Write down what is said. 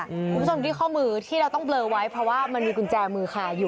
คุณผู้ชมที่ข้อมือที่เราต้องเบลอไว้เพราะว่ามันมีกุญแจมือคาอยู่